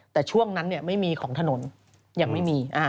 แต่ช่วงนั้นไม่มีของถนนยังไม่มี